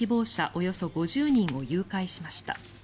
およそ５０人を誘拐しました。